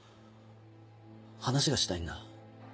話がしたいんだ。